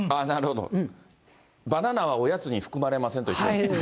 バナナはおやつに含まれませんと一緒。